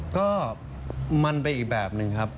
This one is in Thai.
ก็มันไปอีกแบบหนึ่งครับ